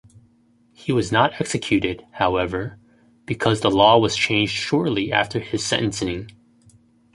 He was not executed, however, because the law was changed shortly after his sentencing.